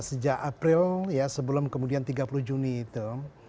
sejak april ya sebelum kemudian tiga puluh juni itu